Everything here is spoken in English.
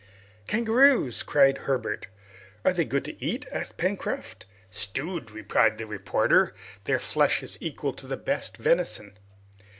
"Kangaroos!" cried Herbert. "Are they good to eat?" asked Pencroft. "Stewed," replied the reporter, "their flesh is equal to the best venison!